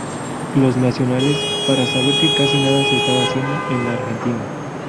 Los nacionales, para saber que casi nada se estaba haciendo en la Argentina.